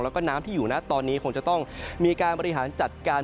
แล้วก็น้ำที่อยู่นะตอนนี้คงจะต้องมีการบริหารจัดการ